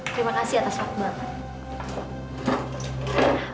terima kasih atas waktu banget